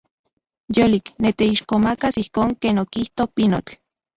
Yolik. Niteixkomakas ijkon ken okijto pinotl.